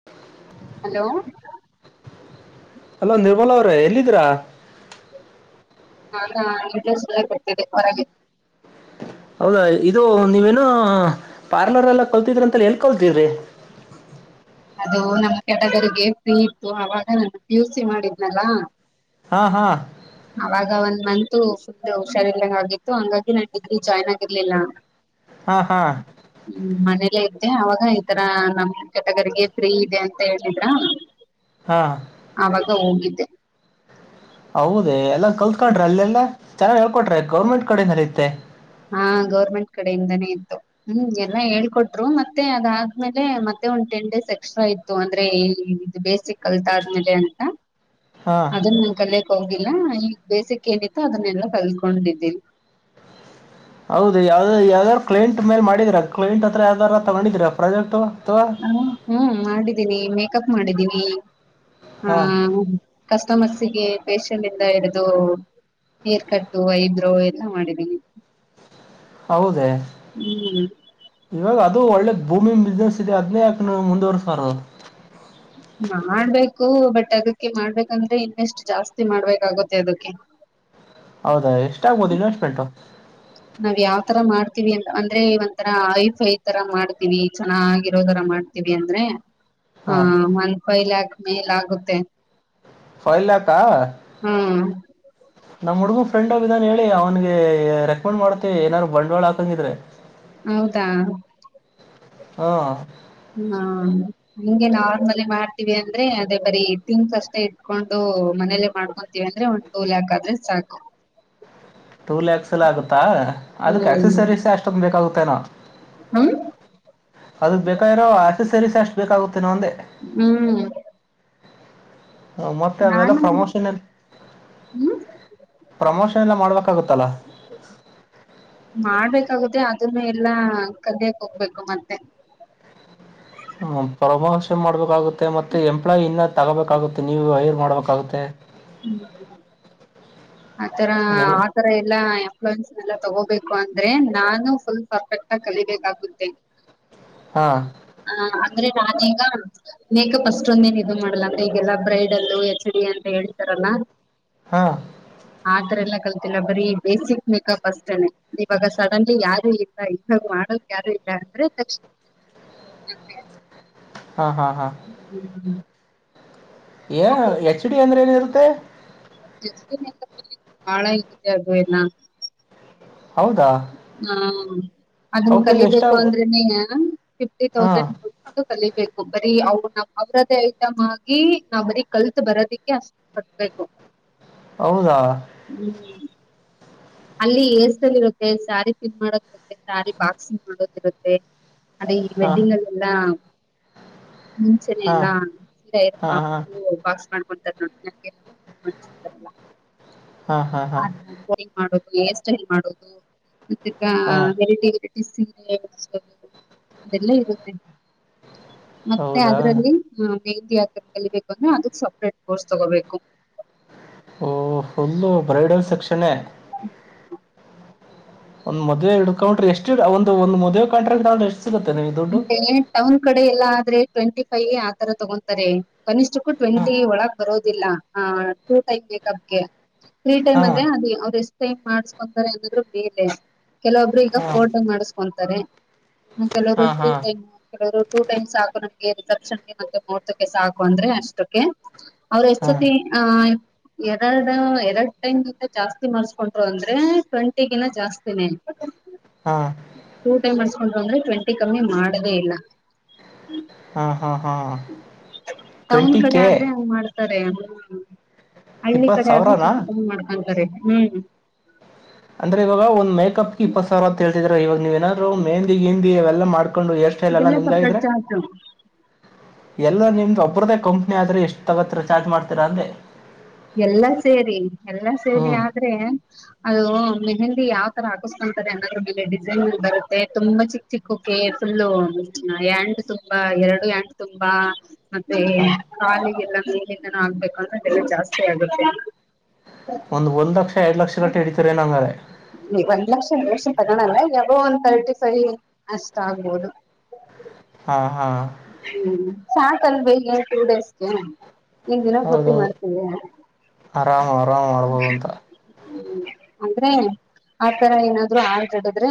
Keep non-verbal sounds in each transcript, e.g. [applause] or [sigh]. [inaudible] Hello hello Nirmala ಅವ್ರೆ ಎಲ್ಲಿದಿರ? ಹಾ [unintelligible] ಹೊರಗೆ ಹೌದಾ ಇದು ನೀವೇನ ಪಾರ್ಲರ್ ಎಲ್ಲ ಕಲ್ತಿದ್ರಂತಲ್ಲ ಎಲ್ ಕಲ್ತಿದ್ರಿ. ಅದು ನಮ್ಮ್ ಕೆಟಗರಿಗೆ ಫ್ರೀ ಇತ್ತು ಆವಾಗ ನಾನ್ ಪಿ ಯು ಸಿ ಮಾಡಿದ್ನಲ್ಲಾ ಹಾ ಹಾ ಅವಾಗ ಒಂದ್ ಮಂತು ಫುಲ್ ಹುಷಾರಿಲ್ದಂಗ್ ಆಗಿತ್ತು ಹಂಗಾಗಿ ನಾನ್ ಡಿಗ್ರಿ ಜಾಯ್ನ್ ಆಗಿರ್ಲಿಲ್ಲ. ಹಾ ಹಾ ಹ್ಮ್ ಮನೇಲ್ಲೇ ಇದ್ದೆ ಅವಾಗ ಈ ತರ ನಮ್ ಕೆಟಗರಿಗೆ ಫ್ರೀ ಇದೆ ಅಂತ ಹೇಳಿದ್ರ. ಹಾ ಆವಾಗ ಹೋಗಿದ್ದೆ. ಹೌದ ಎಲ್ಲಾ ಕಲ್ತ್ಕೊಂಡ್ರ ಅಲ್ಲೆಲ್ಲಾ ಚೆನ್ನಾಗಿ ಹೇಳ್ಕೊಟ್ರೆ ಗೌರ್ಮೆಂಟ್ ಕಡಿಂದರಿತ್ತೆ. ಹಾ ಗೌರ್ಮೆಂಟ್ ಕಡೆಯಿಂದಾನೇ ಇತ್ತು. ಹ್ಮ್ ಎಲ್ಲಾ ಹೇಳ್ಕೊಟ್ರು ಮತ್ತೆ ಅದಾದ್ಮೇಲೆ ಮತ್ತೆ ಒಂದ್ ಟೆನ್ ಡೇಸ್ ಎಕ್ಸ್ಟ್ರಾ ಇತ್ ಅಂದ್ರೆ ಇದು ಬೇಸಿಕ್ ಕಲ್ತ ಆದ್ಮೇಲೆ ಅಂತ ಹಾ ಅದನ್ನ ಏನ್ ಕಲಿಯಕ್ ಹೋಗಿಲ್ಲ ಈಗ್ ಬೇಸಿಕ್ ಏನಿತ್ತು ಅದನ್ನೆಲ್ಲಾ ಕಲ್ಕೊಂಡಿದ್ದೀವಿ ಹೌದು ಯಾವ್ದ ಯಾವ್ದಾದಾರ್ ಕ್ಲೈಂಟ್ ಮೇಲೆ ಮಾಡಿದೀರಾ ಕ್ಲೈಂಟ್ ಹತ್ರ ಯಾವ್ದಾರ ತಗೊಂಡಿದರಾ ಪ್ರಾಜೆಟ್ ಅಥವಾ ಹ್ಮ್ ಮಾಡಿದ್ದೀನಿ ಮೇಕಪ್ ಮಾಡಿದ್ದೀನಿ ಹಾ ಹಾಂ ಕಸ್ಟಮರ್ಸ್ಗೆ ಫಾಷಿಯಲ್ ಇಂದ ಹಿಡಿದು ಏರ್ಕಟ್ಟು ಐಬ್ರೋ ಎಲ್ಲ ಮಾಡಿದೀನಿ ಹೌದೆ ಇವಾಗ ಅದು ಒಳ್ಳೆದ ಭೂಮಿ ಬಿಸ್ನೆಸ್ ಇದೆ ಅದ್ನೇ ಯಾಕ ನೀವ್ ಮುಂದುವರ್ಸಾಬಾರ್ದು ಮಾಡ್ಬೇಕು ಬಟ್ ಅದಕ್ಕೆ ಮಾಡ್ಬೇಕಂದ್ರೆ ಇನ್ವೆಸ್ಟ್ ಜಾಸ್ತಿ ಮಾಡ್ಬೇಕಾಗುತ್ತೆ ಅದಕ್ಕೆ ಹೌದಾ ಎಷ್ಟಾಗಗ್ಬೋದು ಇನ್ವೆಸ್ಟ್ಮೆಂಟು ನಾವ್ ಯಾವ್ ತರ ಮಾಡ್ತಿೀವಿ ಅಂತ ಅಂದ್ರೆ ಒಂಥರ ಐಫ ಐ ತರ ಮಾಡ್ತಿೀವಿ ಚೆನ್ನಾಗಿರೋತರ ಮಾಡ್ತಿವಿ ಅಂದ್ರೆ ಆ ಹಾಂ ಒಂದ ಫೈವ್ ಲ್ಯಾಕ್ ಮೇಲ್ ಆಗುತ್ತೆ ಫೈವ್ ಲ್ಯಾಕ್ ಹಾ ಹ್ಮ್ ಹ ನಮ್ಮ್ ಹುಡ್ಗ ಫ್ರೆಂಡ್ ಒಬ್ಬ ಇದಾನ ಹೇಳಿ ಅವನ್ಗೆ ರೆಕಮೆಂಡ್ ಮಾಡ್ತಿವಿ ಏನಾರು ಬಂಡವಾಳ ಹಾಕಂಗಿದ್ರೆ ಹೌದಾ ಹಾ ಹಾ ಹಂಗೆ ನಾರ್ಮಲ್ಲಿ ಮಾಡ್ತೀವಿ ಅಂದ್ರೆ ಅದೇ ಬರೀ ಥಿಂಗ್ಸ್ ಅಷ್ಟೇ ಇಟ್ಕೊಂಡು ಮನೇಲೆ ಮಾಡ್ಕೊಂತೀವಿ ಅಂದ್ರೆ ಒಂದ್ ಟೂ ಲ್ಯಾಕ್ ಆದ್ರೆ ಸಾಕು ಟೂ ಲ್ಯಾಕ್ಸ್ ಎಲ್ಲ ಆಗುತ್ತಾ ಅದಕ್ಕೆ ಹ್ಮ್ ಅಕ್ಸ್ಸರೀಸ್ ಅಷ್ಟೊಂದು ಬೇಕಾಗುತ್ತೆನ ಹ್ಮ ಅದಕ್ ಬೇಕಾಗಿರೋ ಅಕ್ಸೆಸರೀಸ್ ಅಷ್ಟ್ ಬೇಕಾಗುತ್ತೆನೋ ಅಂದೆ ಹ್ಮ್ ಮತ್ತೆ ಅವೆಲ್ಲ ನಾನು ಪ್ರಮೋಷನ್ ಎ ಹ್ಮ್ ಪ್ರಮೋಷನ್ ಎಲ್ಲ ಮಾಡ್ಬೇಕಾಗುತ್ತಲ್ಲಾ ಮಾಡ್ಬೇಕಾಗುತ್ತೆ ಅದನ್ನು ಎಲ್ಲಾ ಕದಿಯಕ್ ಹೋಗ್ಬೇಕು ಮತ್ತೆ ಹ್ಮ ಪ್ರಮೋಷನ್ ಮಾಡ್ಬೇಕಾಗುತ್ತೆ ಮತ್ತೆ ಎಂಪ್ಲಾಯಿ ಇನ್ನ ತಗೋಬೇಕಾಗುತ್ತೆ ನೀವು ಹೈರ್ ಮಾಡ್ಬೇಕಾಗುತ್ತೆ ಹ್ಮ್ ಆತರ ಹೆಂಗ್ ತರ ಎಲ್ಲಾ ಎಂಪ್ಲಯ್ಸ್ ಎಲ್ಲ ತಗೋಬೇಕು ಅಂದ್ರೆ ನಾನು ಫುಲ್ ಪರ್ಫೆಕ್ಟ್ ಆಗ ಕಲಿಬೇಕಾಗುತ್ತೆ ಹಾ ಹ ಅಂದ್ರೆ ನಾನೀಗ ಮೇಕಪ್ ಅಷ್ಟೊಂದೇನ್ ಇದು ಮಾಡಲ್ಲ ಅಂತ ಈಗೆಲ್ಲ ಬ್ರೈಡಲ್ ಎಚ್. ಡಿ ಅಂತ ಹೇಳ್ತಾರಲ್ಲ ಹಾ ಆತರ ಎಲ್ಲ ಕಲ್ತಿಲ್ಲ ಬರೀ ಬೇಸಿಕ್ ಮೇಕಪ್ ಅಷ್ಟೇನೆ ಇವಾಗ ಸಡನ್ಲಿ ಯಾರು ಇಲ್ಲ ಇದಾಗ್ ಮಾಡ ಮಾಡಕ್ ಯಾರು ಇಲ್ಲ ಅಂದ್ರೆ ಹ ಮತ್ತೆ ಹಾ ಹಾ ಹಾ ಹ್ಮ್ ಹ್ಮ್ ಏ ಎಚ್. ಡಿ ಅಂದ್ರೆ ಏನಿರುತ್ತೆ ಮೇಕಪ್ ಅಲ್ಲಿ ಬಾಳ ಇರುತ್ತೆ ಅದು ಎಲ್ಲ ಹೌದಾ ಹಾ ಅದನ್ ಅವಕ್ಕೆಲ್ಲ ಕಲಿಬೇಕು ಎಷ್ಟಾಗ ಅಂದ್ರೆನ ಫಿಫ್ಟಿ ಹಾಂ ತೌಸೆಂಡ್ ಕಲಿಬೇಕು ಬರೀ ಅವು ನಮ್ಮ ಅವ್ರದೇ ಐಟಮ್ ಆಗಿ ನಾವ್ ಬರೀ ಕಲ್ತ್ ಬರೋದಿಕ್ಕೆ ಅಷ್ಟ ಕಟ್ಟಬೇಕು. ಹೌದಾ ಹು ಅಲ್ಲಿ ಹೇರಸ್ಟೈಲ್ ಇರುತ್ತೆ ಸ್ಯಾರಿ ಪಿನ್ ಮಾಡೋದಿರುತ್ತೆ ಸ್ಯಾರಿ ಬಾಕ್ಸಿಂಗ್ ಮಾಡೋದಿರುತ್ತೆ. ಅದೆ ಹಾಂ ವೆಡ್ಡಿಂಗಲ್ಲಿ ಎಲ್ಲಾ. ಮುಂಚೆನೆ ಹಾ ಎಲ್ಲಾ ಸೀರ ಐರನ್ ಹಾ ಹಾ ಮಾಡಬಿಟ್ಟು ಬಾಕ್ಸ್ ಮಾಡ್ಕೊಂತಾರೆನ ನಂಗೆ ಮಾಡಸುತ್ತೆಲ್ಲಾ. ಹಾ ಹಾ ಹಾ ಆ ತರಾ ಕೋಡಿಂಗ್ ಮಾಡೋದು ಹೇರ ಸ್ಟೈಲ್ ಮಾಡೋದು ಮತ್ತಿಗೇ ಹಾ ವೆರೈಟಿ ವರ. ಸಿರೆ ಅದೆಲ್ಲ ಇರುತ್ತೆ. ಮತ್ತೆ ಹೌದಾ ಅದರಲ್ಲಿ ಹ ಮೆಹಂದಿ ಹಾಕಕೆ ಕಲಿಬೇಕು ಅಂದ್ರೆ ಅದಕ ಸಪ್ರೇಟ್ ಕೋರ್ಸ್ ತಗೋಬೇಕು. ಓ ಫುಲ್ಲು ಬ್ರೈಡಲ್ ಸೆಕ್ಷನೇ. ಹು ಒಂದ ಮದುವೆ ಹಿಡಕೊಂಡಬಿಟ್ರೆ ಎಷ್ಟ ಒಂದ ಮದುವೆ ಕಾಂಟ್ರಾಕ್ಟ್ ಎಷ್ಟು. ಎಷ್ಟು ಗೊತ್ತಾ ನಿಮ್ಮಿದು. ಡೇ ಟೌನ್ ಕಡೆ ಎಲ್ಲಾ ಆದ್ರೆ ಟ್ವೆಂಟಿ ಫೈವ ಆತರಾ ತಗೊತಾರೆ. ಕನಿಷ್ಠಕ್ಕೂ ಹಾಂ ಟ್ವೆಂಟಿ ಒಳಗ್ ಬರೋದಿಲ್ಲಾ ಆ ಟೂ ಟೈಪ್ ಬೇಕಪ್ಗೆ. ಫ್ರೀ ಟೈಮ್ ಹಾಂ ಅಂದ್ರೆ ಅವೆಷ್ಟ. ಟೈಮ್ ಮಾಡ್ಸ್ಕೊಂತಾರೆ ಅನ್ನೋದ್ರ ಮೇಲೆ ಕೆಲವೊಬ್ರು ಈಗ ಹಾಂ ಫೋಟೋ ಮಾಡಸ್ಕೊಂತಾರೆ. ಹ ಕೆಲವರೊ ಹಾಂ ಹಾಂ ಕೆಲವರು ಟೂ ಟೈಮ್ಸ್ ಸಾಕು ನಮ್ಗೆ ರಿಸೆಪ್ಷನ್ಗೆ ಮತ್ತೆಮೂಹೂರ್ತಕ್ಕೆ ಸಾಕು ಅಂದ್ರೆ ಅಷ್ಟಕ್ಕೆ. ಅವ್ರ ಹಾಂ ಎಷ್ಟತಿ ಆಯ್. ಎರಡು ಎರಡ್ ಟೈಮ್ಗಿಂತ ಜಾಸ್ತಿ ಮಾಡಸ್ಕೊಂಡರು ಅಂದ್ರೆ ಟ್ವೆಂಟಿಗಿನ ಜಾಸ್ತಿ. ಸ್ತಿನೇ ಇರುತ್ತೆ. ಹಾ ಟೂ ಟೈಮ್ ಮಾಡಸ್ಕೊಂಡು ಅಂದ್ರೆ ಟ್ವೆಂಟಿ ಕಮ್ಮಿ ಮಾಡದೇ ಇಲ್ಲಾ. ಹಾ ಹಾ ಹಾ ಟೌನ್ ಕಡೆ ಆದ್ರೆ ಹಂಗ್ ಮಾಡ್ತಾರೆ. ಹಳ್ಳಿ ಇಪ್ಪತ್ತು ಕಡೆ ಆದ್ರೂ ಸಾವಿರನಾ ಸ್ವಲ್ಪ ಕಮ್ಮಿ ಮಾಡ್ಕೊಂತಾರೆ ಹೂ. ಅಂದ್ರೆ ಇವಾಗ ಒಂದ ಮೇಕಪ್ಗೆ ಇಪ್ಪತ್ತ ಸಾವಿರ ಅಂತ ಹೇಳತ್ತಿದೀರಾ ಇವಾಗ ನೀವ ಏನಾದರು ಮೆಹಿಂದಿ ಎಲ್ಲ ಮಾಡಕೊಂಡು ಎಷ್ಟು. ಹೇರಸ್ಟೈಲ್ ಎಲ್ಲಾ ಅದೆಲ್ಲ ನಿಮ್ಮದೆ ಸಪ್ರೇಟ್ ಆಗಿದ್ರೆ. ಚಾರ್ಜ್ ಎಲ್ಲಾ ನಿಮ್ದ ಒಬ್ಬರದ್ದೇ ಕಂಪ್ನಿ ಆದ್ರೆ ಎಷ್ಟು ತಗೋತ್ತೀರಾ ಚಾರ್ಜ್ ಮಾಡ್ತೀರ ಅಂದೆ. ಎಲ್ಲಾ ಸೇರಿ ಎಲ್ಲಾ ಹ್ಞೂ ಸೇರಿ ಆದ್ರೆ. ಅದು ಮೆಹಂದಿ ಯಾವ ತರಾ ಹಾಕಸ್ಕೊಂತಾರೆ ಅನ್ನೋದ್ರ ಮೇಲೆ ಡಿಸೈನ್ ಬರುತ್ತೆ ತುಂಬಾ ಚಿಕ್ಕ ಚಿಕ್ಕೋಕೆ ಫುಲ್ಲು ಹ್ಯಾಂಡ ತುಂಬಾ ಎರಡು ಹ್ಯಾಂಡ ತುಂಬಾ. ಮತ್ತೆ ಹಾಂ ಕಾಲಿಗೆಲ್ಲಾ ಸಗೆತನು ಆಗ್ಬೇಕುಂದ್ರೆ ಬೆಲೆ ಜಾಸ್ತಿ. ಸ್ತಿ ಆಗುತ್ತೆ. ಒಂದ ಒಂದ್ ಲಕ್ಷ ಎರಡು ಲಕ್ಷಗಟ್ಟ ಹಡಿತರೆನ ಹಂಗಾರೆ. ನೀ ಒಂದ್ ಲಕ್ಷ ಒಂದ್ ಲಕ್ಷ ತಗೋಣಲ್ಲ ಯಾಗೋ ಒಂದ ತರ್ಟಿ ಫೈವ್ ಅಷ್ಟ ಆಗ್ಬೋದು. ಹಾ ಹಾ ಹೂ ಸಾಕಲವೆ ಇಗ ಟೂ ಡೇಸ್ಗೆ. ಇನ್ ದಿನ ಪೂರ್ತಿ ಹೌದೌದು ಮಾಡ್ತೀವ. ಆರಾಮ ಆರಾಮ ಮಾಡ್ಬೋದು ಅಂತ ಹು ಅಂದ್ರೆ ಆತರಾ ಏನಾದ್ರು ಆಡ್ರ ಹಿಡದ್ರೆ.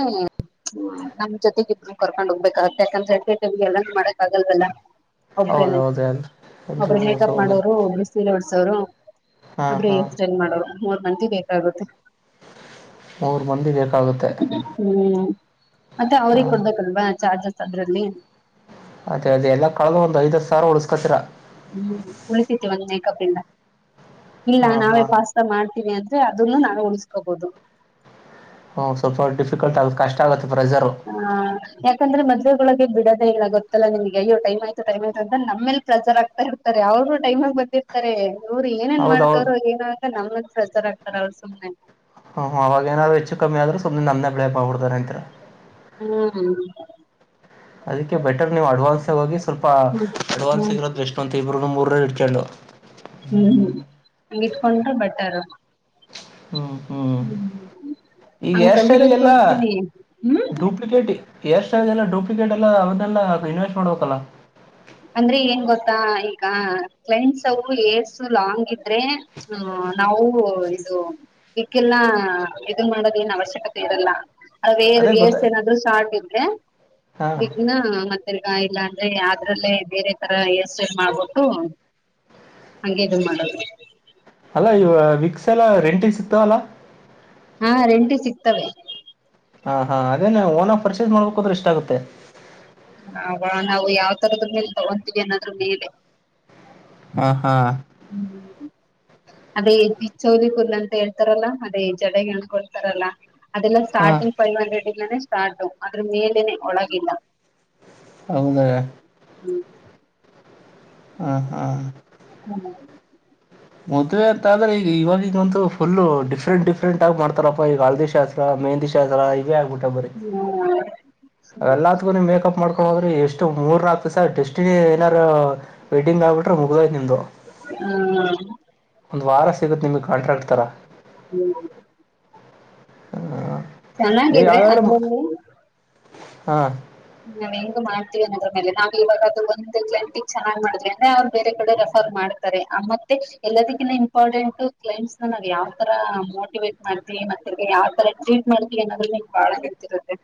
ಹು ನಮ್ಮ ಜೊತೆಗ ಇಬ್ರು ಕರ್ಕೊಂಡ್ ಹೋಗ್ಬೇಕಾಗತ್ತ ಯಕಂದ ಎಟ್ಟಟೈಮ್ಗೆ ಎಲ್ಲಾ ಮಾಡಕ್ ಆಗಲ್ವಲ್ಲಾ. ಹೌದು ಒಬ್ರೇನ್ನ ಹೌದು ಎಲ್ ಎಲ್ರಿಗೂ ಒಬ್ಬರು ಮೇಕಪ್ ಸೌಲಭ್ಯ ಮಾಡೋರು ಒಬ್ಬರ್. ಸೀರೆ ವುಡ್ಸವರು ಹಾಂ ಒಬ್ಬರು ಹಾಂ ಹೇರಸ್ಟೈಲ್ ಮಾಡೋರು ಮೂರ್ ಮಂದಿ ಬೇಕಾಗುತ್ತೆ. ಮೂರು ಮಂದಿ ಬೇಕಾಗುತ್ತೆ ಹ್ಮ್ ಮತ್ತೆ ಅವ್ರಿಗೆ ಹಾಂ ಕೊಡ್ಬೇಕಲ್ವಾ ಚಾರ್ಜಸ್ ಅದ್ರಲ್ಲಿ ಅದೇ ಅದೆಲ್ಲ ಕಳದ ಒಒಂದ್ ಐದತ್ತು ಸಾವರ ಉಳಿಸ್ಕೋತಿರ ಹ್ಮ್ ಉಳಿತತಿ ಒಂದ್ ಮೇಕಪ್ ಇಂದ ಇಲ್ಲ ಹಾಂ ನಾವೇ ಹಾಂ ಪಸ್ ಮಾಡ್ತೀವಿ ಅಂದ್ರೆ ಅದನ್ನು ನಾವು ಉಣಿಸ್ಕೋಬಹುದು ಹ ಸ್ವಲ್ಪ ಡಿಫಿಕಲ್ಟ್ ಆಗುತ್ತೆ ಕಷ್ಟ ಆಗುತ್ತೆ ಪ್ರೆಷರ್ ಹಾ ಯಾಕಂದ್ರೆ ಮದುವೆೊಳಗೆ ಬಿಡದೇ ಇಲ್ಲ ಗೊತ್ತಲ್ಲಮಗೆಯ್ಯ ಟಮ್ ಆಯ್ತ ಟೈಮ್ ಆಯ್ತ ಅ್ರ ನಮ್ಮೇಲ್ ಸಜರಾಗ್ತಾ ಇರ್ತಾರೆ ಅವರು ಟೈಮ್ಗ ಬಂದಿರ್ತಾರೆ ಅವವರು ಏನೇನ್ ಹೌದೌದು ಮಾಡ್ತವಾರೋ ಏನ ಅಂತ ನಮ್ಮ ಪ್ರೆಷರ್ ಹಾಕ್ತಾರೆ ಸುಮ್ಮನೆ ಹ್ಮ್ ಅವಾಗ ಏನಾದರು ಹೆಚ್ಚು ಕಮ್ಮಿ ಆದ್ರ ಸುಮನೆ ನಮ್ಮನೇ ಬ್ಲೇಮ್ ಮಾಡಬಿಡ್ತಾರ ಅಂತರ ಹ್ಮ್ ಅದಕ್ಕೆ ಬೆಟರ್ ನೀವು ಅಡ್ವಾನ್ಸ್ ಹೋಗಿ ಸ್ವಲ್ಪ ಹ್ಮ್ ಅಡ್ವಾನ್ಸ್ ಹ್ಮ್ ಸಿಗರೋದು ಎಷ್ಟು ಅಂತ ಇಬ್ಬರು ಮೂರ ಹಿಡ್ಕೊಂಡು ಹ್ಮ್ ಹ್ಮ್ ಹಂಗ ಇಟ್ಕೊಂಡ್ರು ಬೆಟ್ಟರ್ ಹ್ಮ್ ಹ್ಮ್ ಈಗ ಹಂಗ್ ಹೇರ್ ಸ್ಟೈಲ್ ಗೆ ಕಲಿಬೇಕು ಎಲ್ಲ ಅಂತೀನಿ ಹ್ಮ್ ಡೂಪ್ಲಿಕಟ್ ಏರ್ ಸ್ಟೈಲ್ ಎಲ್ಲ ಡೂಪ್ಲಿಕಟ್ ಎಲ್ಲ ಅದೆಲ್ಲ ಇನ್ವೆಸ್ಟ್ ಮಾಡಬೇಕಲ್ಲ ಅಂದ್ರೆ ಏನ್ ಗೊತ್ತಾ ಈಗ ಕ್ಲೈಂಟ್ಸ್ ಅವು ಹೈರ್ಸ್ ಲಾಂಗ್ ಇದ್ರೆ ಹ್ಮ ನಾವು ಇದು ಈಕ್ಕೆಲ್ಲಾ ಇದ ಮಾಡೋದ ಏನ್ ಅವಶ್ಯಕತೆ ಇರಲ್ಲ ಅ ಅದೇ ಗೊತ್ತ ಏರ್ಸ್ ಏನಾದ್ರು ಸ್ಟಾರ್ಟ್ ಇದೆಗ ಹಾ ಮೆ ಕ ಇಲ್ಲ ಅಂದ್ರೆ ಯದ್ರಲ್ಲೇ ಬೇರೆ ತರ ಎಷ್ಟ ಮಾಡ್ಬಿಟ್ಟು ಹಂಗಗೆ ಇದ ಮಾಡದು ಅಲ್ಲ ಇವ ವಿಕ್ಸ್ ಎಲ್ಲ ರೆಂಟಿಗೆ ಸಿತ ಅಲ್ಲಾ ಹಾ ರೆಂಟಿ ಸಿಗ್ತವೆ ಹಾ ಹಾ ಅದೇ ಓನ ಪರ್ಚೇಸ್ ಮಾಡ್ಬೇಕಕ್ ಹದ್ರೆ ಇಷ್ಟ ಆಗುತ್ತೆ ಆ ನಾವು ಯಾವ್ ತರದ್ರ ಮೇಲೆ ತಗೊಂತೀವಿ ಅನ್ನದ್ರ ಮೇಲೆ ಹ ಹಾ ಹ್ಮ್ ಅದೇ ಬಿಚೌಲಿ ಫುಲ್ ಅಂತ ಹೇಳ್ತಾರಲ್ಲ ಅದೇ ಜಡೆ ಹಣಕೊಡ್ತಾರಲ್ಲ ಅದೆಲ್ಲ ಹಾ ಸ್ಟಾರ್ಟಿಂಗ್ ಫೈವ್ ಹಂಡ್ರೆಡ್ಲ್ಲಾನನೆ ಸ್ಟಾರ್ಟು ಅದ್ರ ಮೇಲನೆ ಒಳಗಿಲ್ಲ ಹೌದ ಹ್ಮ್ ಹ್ಮ ಹಾ ಹ್ಮ್ ಮದ್ವೆ ಅಂತಂದ್ರೆ ಈಗ ಇವಾಗ ಈಗಂತ ಫುಲ್ ಡಿಫ್ರೆಂಟ್ ಡಿಫ್ರೆಂಟ್ ಆಗಿ ಮಾಡ್ತಾರಪ್ಪಾ ಈಗ ಹಳದಿ ಶಾಸ್ಟ್ರ ಮೆಹಂದಿ ಶಸ್ತ್ರ ಇವೇ ಆಗ್ಬಿಟ್ಟ ಬರೀ ಹ್ಮ್ ಅವಲ್ಲತ್ಗೂ ಮೇಕಪ್ ಮಾಡ್ಕೊಂಡು ಹದ್ರರು ಎಷ್ಟು ಮೂರ್ ನಾಲ್ಕು ದಿವ್ಸ ಎನ ಏನಾರರು ವೆಡ್ಡಿಂಗ್ ಆಗಿಟ್ರೆ ಮುಗಿದು ಓಯ್ತು ನಿಮ್ದು ಹ್ಮ್ ಒಂದ್ ವಾರ ಸಿಗುತ್ತೆ ನಿಮಗ್ ಕಾಟ್ರಾಕ್ಟ್ ತರ ಹ್ಮ್ ಹ್ಮ ನೀ ಚೆನ್ನಾಗಿದ್ರೆ ಯಾವರ ಅದ್ರಲ್ಲಿ ಹಾ ನಾವ್ ಹೆಂಗ್ ಮಾಡ್ತೀವಿ ಅನ್ನದ್ರ ಮೇಲೆ ನಾವ ಇವಾಗ ಅದು ಒಂದು ಗ್ಂಟಿ ಚೆನ್ನ್ ಮಾಡ್ವಿ ಅಂದ್ರೆ ಅವ್ ಬೇರೆ ಕಡೆ ರೆಫರ್ ಮಾಡಿ ಮತ್ತೆ ಎಲ್ಲದಕ್ಕಿ ಇಂಪಾರ್ಟೆಂಟ್ ಕ್ಲೈಂಟ್ಸ್ ನ ನಾವ್ ಯಾವ ತರ ಮೋಟಿವೇಟ್ ಮಾಡ್ತವಿ ಮತ್ತೆ ಯಾವ್ ತರ ಟ್ರೀಟ್ ಮಾಡ್ತವಿ ಅನ್ನೋದ ನಿ ಬಾಳ ಗೊತ್ತಿರುತ್ತೆ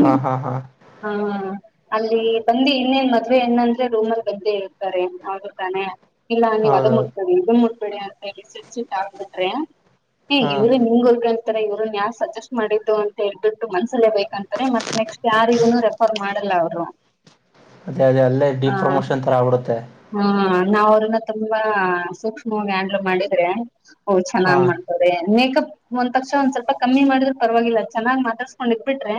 ಹಾಂ ಹಾಂ ಹಾಂ ಹ್ಮ ಹ್ಮ ಅಲ್ಲಿ ಬಂದಿ ಇನ್ನೇನ್ ಮದ್ವೆ ಹೆಣ್ಣಂದ್ರೆ ರೂಮಲ್ ಬಂದೆ ಇರ್ತಾರೆ ಹೌದು ತಾನೆ. ಇಲ್ಲ ನೀವ್ ಅದು ಹೌದೌದು ಮುಟ್ಟಬೇಡಿ ಇದು ಮುಟ್ಟಬೇಡಿ ಅಂತ ಹೇಳಿ ಸಿಟ್ ಸಿಟ್ ಆಕ್ಬಿಟ್ರೆ. ಏ ಹಾಂ ಇವ್ರೇನ್ ಹಿಂಗ್ ಉರ್ಕೊಂತರೆ ಇವ್ರನ್ ಯಾರ್ ಸಜೆಸ್ಟ್ ಮಾಡಿದ್ದು ಅಂತ ಹೇಳ್ಬಿಟ್ಟು ಮನ್ಸ್ಸಲ್ಲೇ ಬೈಕಂತಾರೆ ಮತ್ ನೆಕ್ಸ್ಟ್. ಯಾರಿಗುನು ರೆಫರ್ ಮಾಡಲ್ಲ ಅವ್ರು. ಅದೇ ಅದೇ ಅಲ್ಲೇ ಡಿ ಆ ಪ್ರ್ರಮೋಷನ್ ತರ ಆಗ್ಬಿಡುತ್ತೆ. ಹಾ ನಾವ್ ಅವ್ರನ್ನ ತುಂಬಾ ಸೂಕ್ಷ್ಮವಾಗಿ ಹ್ಯಾಂಡ್ಲಾ ಮಾಡಿದ್ರೆ ಓ ಚೆನ್ನಾಗ್ ಹಾಂ ಮಾಡ್ ಅದೆ ಮೇಕಪ್ ಒಂದ್ ತಕ್ಷ ಒಂದ್ ಸ್ವಲ್ಪ ಕಮ್ಮಿ ಮಾಡಿದ್ರರು ಪರವಾಗಿಲ್ಲ ಚೆನ್ನಾಗ್ ಮಾತಾಡ್ಸ್ಕೊಂಡ್ ಇಡ್ಬಿಟ್ರೆ.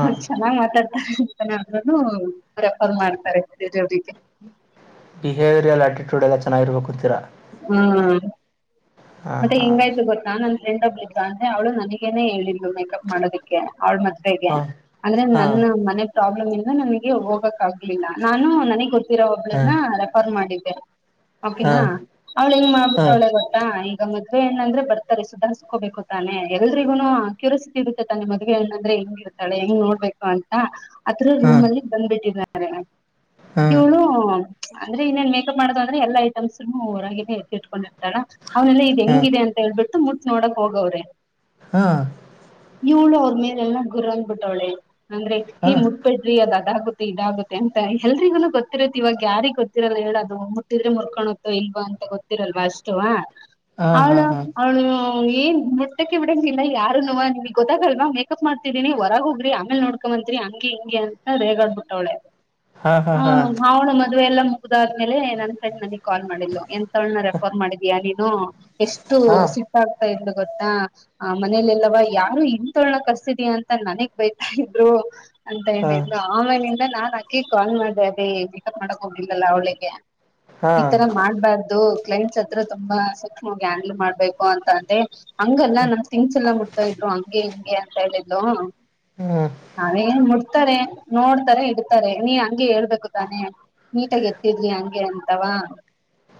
ಹ್ ಚೆನ್ನಾಗ್ ಮಾತಾಡ್ತಾರೆ ಅಂತಾನ ಅಂದ್ರೂ ಪ್ರೆಫರ್ ಮಾಡ್ತಾರೆ ಬೇರೆಯವರಿಗೆ. ಬಿಹೇವಿಯರ ಆಟಿಟ್ಯೂಡ್ ಎಲ್ಲ ಚೆನ್ನಾಗಿರ್ಬೇಕು ಅಂತೀರಾ. ಹ್ಮ್ ಮತ್ತೆ ಹಾಂ ಹೆಂಗಾಯ್ತು ಗೊತ್ತ ನನ್ ಫ್ರೆಂಡ್ ಒಬ್ಳು ಇದ್ಳು ಅಂದ್ರೆ ಅವ್ಳು ನನಿಗೇನೆ ಹೇಳಿದ್ಲು ಮೇಕಪ್ ಮಾಡೋದೀಕ್ಕೆ. ಅವ್ಳ ಮದ್ವೆಗೆ ಅಂದ್ರೆ ಹಾಂ ನನ್ನ ಮನೆ ಪ್ರಾಬ್ಲಮ್ ಇಂದ ನನಗೆ ಹೋಗಕ್ ಆಗ್ ಇಲ್ಲ ನಾನು ನನಗ್ ಗೊತ್ತಿರೋ ಒಬ್ಳನ್ನ ಹಾಂ ರೆಫರ್ ಮಾಡಿದ್ದೆ. ಓಕೆನಾ ಹಾಂ ಅವ್ಳ ಹೆಂಗ್ ಹಾಂ ಮಾಡ್ಬಿಟ್ಟೊಳೆ ಗೊತ್ತಾ ಈ ಈಗ ಮದ್ವೆ ಹೆಣ್ಣ ಅಂದ್ರೆ ಬರ್ತಾರೆ ಸುಧಾರ್ಸ್ಕೋಬೇಕು ತಾನೆ ಎಲ್ರಿಗೂನು ಕ್ಯುರಾಸಿಟಿ ಇರುತ್ತೆ ತಾನೆ ಮದ್ವೆ ಹೆಣ್ಣ ಅಂದ್ರೆ ಹೆಂಗಿ ತಳೆ ಹೆಂಗ್ ನೋಡ್ಬೇಕು ಅಂತ. ಆತ್ರರ ರೂಮ್ ಅಲ್ಲಿ ಬಂದ್ಬಿಟ್ಟಿದ್ದಾರೆ ಹಾಂ ಹಾಂ ಇವಳು. ಅಂದ್ರೆ ಇನ್ನೇನ್ ಮೇಕಪ್ ಮಾಡದು ಅಂದ್ರೆ ಎಲ್ಲ ಐಟಮ್ಸ್ ನು ಹೊರಗೆ ಎತ್ತಿಟ್ಕೊಂಡಿರ್ತಾಳ ಅವ್ನಲ್ಲ ಇದು ಹಾಂ ಹಾಂ ಹಾಂ ಹೆಂಗಿದೆ. ಅಂತ ಹೇಳ್ಬಿಟ್ಟು ಮುಟ್ಟ ನೋಡಕ್ ಹೋಗವ್ರೆ. ಹಾ ಇವ್ಳು ಅವ್ರ ಮೇಲೆಲ್ಲ ಗುರಂದ್ ಬಿಟ್ಟವಳೆ ಅಂದ್ರೆ ಹಾಂ ಹಾಂ ಹಾಂ ಹಾಂ ಹಿ ಮುಟ್ಟಬೆಡ್ರಿ ಅದ ಅದಾಗುತ್ತ. ಇದಾಗುತ್ತೆ ಅಂತ ಎಲ್ರಿಗುನು ಗೊತ್ತಿರುತ್ತ ಇವಾಗ ಯಾರಿಗೆ ಗೊತ್ತಿರಲ್ಲ ಹೇಳು ಅದು ಮುಟ್ಟಿದ್ರೆ ಮೂರ್ಕೋಣ ಹೋಗ್ತವೆ ಇಲ್ವಾ ಅಂತ ಗೊತ್ ಗೊತ್ತಿರಲ್ವಾ ಅಷ್ಟುವಾ ಅವ್ಳು ಹಾಂ ಅವ್ಳು. ಓ ಎನ್ ಮುಟ್ಟಕ್ಕೆ ಬಿಡಂಗಿಲ್ಲ ಯಾರುನುವ ನಿಮಿಗ್ ಗೊತ್ತಾಗಲ್ವಾ ಮೇಕಪ್ ಮಾಡ್ತಿದೀನಿ ಹೊರಗ ಹೋಗ್ರಿ ಆಮೇಲ್ ನೋಡ್. ಕಮಂತ್ರಿ ಹಂಗೆ ಹಿಂಗೆ ಅಂತ ರೆಗಾಡ್ಬಿಟ್ಟವಳೆ. ಹಾ ಹಾಂ ಅವ್ಳ ಮದ್ವೆ ಎಲ್ಲಾ ಮುಗ್ದಾದ್ಮೇಲೆ ನನ್ ಫ್ರೆಂಡ್ ನನಗ್ ಕಾಲ್ ಮಾಡಿದ್ಲು ಎ ಹೆಂತೋಳ್ನ ರೆಫರ್ ಮಾಡಿದೀಯ ನೀನು ಎಷ್ಟು ಸಿಟ್ಟಾಗ್ತ ಇದ್ಲು ಗೊತ್ತಾ. ಆ ಮನೇಲೆಲ್ಲವ ಯಾರು ಇಂತೊಣ ಕರ್ಸಿದ್ದೀಯಾ ಅಂತ ನನಿಗ್ ಬೈತಾ ಇದ್ರು. ಅಂತ ಹೇಳಿದ್ಲು ಆಮೇಲಿಂದ ನಾನ್ ಅಕಿ ಕಾಲ್ ಮಾಡ್ದೆ ಅದೆ ಪಿಕಪ್ ಮಾಡಕ್ ಹೋಗಲ್ಲಿಲ್ಲ ಅವಳಿಗೆ. ಹಾಂ ಹಾಂ ಹಾಂ ಈತರ ಮಾಡ್ಬಾರ್ದು ಕ್ಲೈಂಟ್ಸ್ ಹತ್ರ ತುಂಬಾ. ಸೂಕ್ಷ್ಮವಾಗಿ ಹ್ಯಾಂಡ್ಲ್ ಮಾಡ್ಬೇಕು ಅಂತ ಅಂದೆ ಹಂಗಲ್ಲ ನಮ್ ತಿಂಗ್ಸ್ ಎಲ್ಲ ಮುಡ್ತಾ ಇದ್ರು ಹಂಗೆ ಹಿಂಗೆ [unintelligible] ಹೇಳಿದ್ಲು ಹ್ಮ್ ಅದೆ ಏನ್ ಮುಡ್ತಾರೆ ನೋಡ್ತಾರೆ ಇಡ್ತಾರೆ ನೀ ಹಂಗೆ ಹೇಳ್ಬೇಕು ತಾನೇ. ನೀಟಾಗಿ ಎತ್ತಿಡ್ಲಿ ಹಂಗೆ ಅಂತವಾ.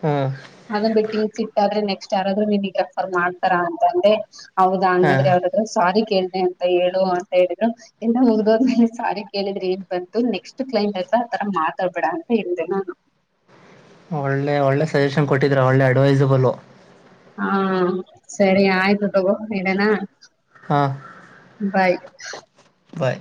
ಹ್ಮ್ ಅದನ್ ಬಿಟ್ಟಿ ಈ ಸಿಟ್ಟಾದ್ರೆ ನೆಕ್ಸ್ಟ್ ಯಾರದ್ರು ನೀನೀಗ ರೆಫರ್ ಮಾಡ್ತಾರಾ ಅಂತ ಅಂದೆ ಅವಗ ಹಂಗ ಹಾಂ ಅಂದ್ರೆ ಅವ್ರ್ದ. ಅ ಸ್ವಾರಿ ಕೇಳ್ದೆ ಅಂತ ಹೇಳು ಅಂತ ಹೇಳಿದ್ರು. ಏಲ್ಲ ಮುಗ್ದೋದ್ಮೇಲೆ ಸ್ವಾರಿ ಕೇಳಿದ್ರೆ ಏನ್ ಬಂತು ನೆಕ್ಸ್ಟ್ ಕ್ಲೈಂಟ್ ಹತ್ರ ಆತರ ಮಾತಾಡ್ಬೇಡ ಅಂತ ಹೇಳಿದ್ದೆ ನಾನು. ಒಳ್ಳೆ ಒಳ್ಳೆ ಸಜೆಷನ್ ಕೊಟ್ಟಿದ್ರ ಒಳ್ಳೆ ಅಡ್ವೈಸಬಲು. ಹಾ ಸರಿ ಆಯ್ತು ತೊಗೊ ಇಡನಾ. ಹಾ ಬಾಯ್ ಬಾಯ್